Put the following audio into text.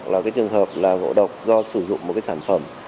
là cái trường hợp là ngộ độc do sử dụng một cái sản phẩm